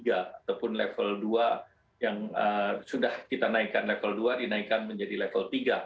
ataupun level dua yang sudah kita naikkan level dua dinaikkan menjadi level tiga